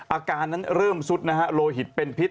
อาการนั้นเริ่มซุดนะฮะโลหิตเป็นพิษ